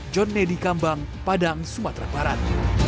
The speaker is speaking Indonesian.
john nedi kambang padang sumatera barat